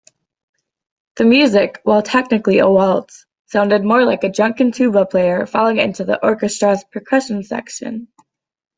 The music, while technically a waltz, sounded more like a drunken tuba player falling into the orchestra's percussion section.